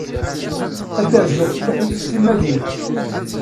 Ad d-rzuɣ fell-ak nekk s timmad-inu.